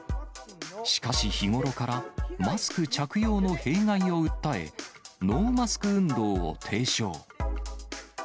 しかし日頃から、マスク着用の弊害を訴え、ノーマスク運動を提唱。